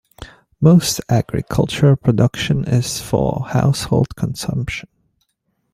Most agricultural production is for household consumption.